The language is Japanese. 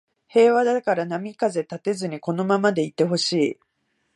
平和だから波風立てずにこのままでいてほしい